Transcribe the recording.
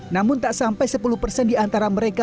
namun tak sampai sepuluh persen di antara mereka